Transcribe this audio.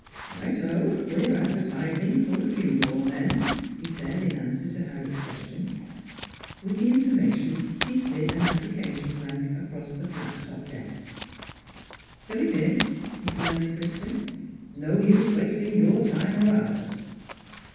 " Right o ! we're advertising for a few more men," he said in answer to Harry's question. With the information he slid an application blank across the flat top desk. " Fill it in," he commanded crisply. " No use wasting your time, or ours."